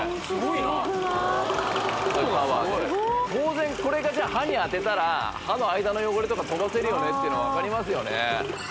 当然これが歯に当てたら歯の間の汚れとか飛ばせるよねっていうの分かりますよね